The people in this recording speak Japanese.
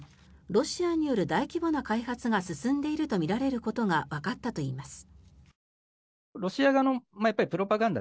ロシアによる大規模な開発が進んでいるとみられることがわかったといいます。